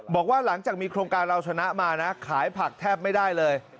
บอกว่าหลังจากมีโครงการเราชนะมานะขายผักแทบไม่ได้เลย